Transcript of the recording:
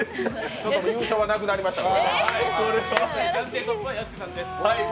優勝はなくなりましたので。